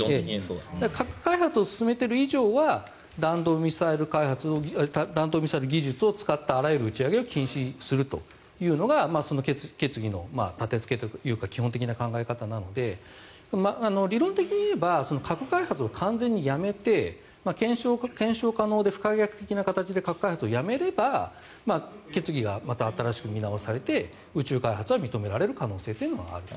核開発を進めている以上は弾道ミサイル技術を使ったあらゆる打ち上げを禁止するというのがその決議の立てつけというか基本的な考え方なので理論的に言えば核開発を完全にやめて検証可能で不可逆的な形で核開発をやめれば決議がまた新しく見直されて宇宙開発が認められる可能性はある。